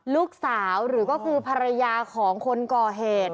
ลูกสาวหรือก็คือภรรยาของคนก่อเหตุ